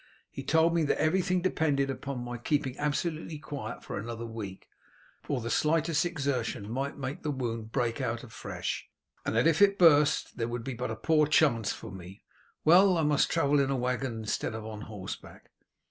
He told me that everything depended upon my keeping absolutely quiet for another week, for the slightest exertion might make the wound break out afresh, and that if it burst there would be but a poor chance for me. Well, I must travel in a waggon instead of on horseback."